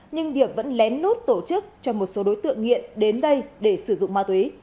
nhưng điệp vẫn lén lút tổ chức cho một số đối tượng nghiện đến đây để sử dụng ma túy